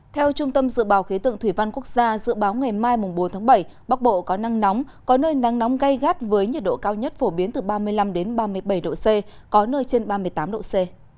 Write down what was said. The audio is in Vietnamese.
theo trung tâm dự báo khí tượng thủy văn quốc gia dự báo ngày mai bốn tháng bảy bắc bộ có nắng nóng có nơi nắng nóng gây gắt với nhiệt độ cao nhất phổ biến từ ba mươi năm ba mươi bảy độ c có nơi trên ba mươi tám độ c